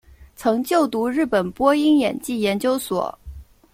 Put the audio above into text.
曾就读日本播音演技研究所。